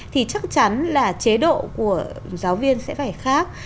thì chắc chắn là chế độ của giáo viên sẽ phải khác